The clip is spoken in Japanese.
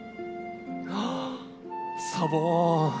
ああサボン。